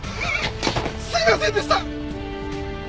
すみませんでした！